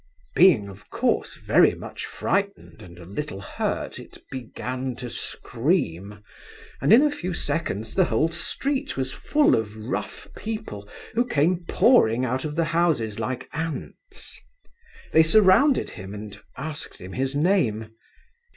Being of course very much frightened and a little hurt, it began to scream, and in a few seconds the whole street was full of rough people who came pouring out of the houses like ants. They surrounded him, and asked him his name.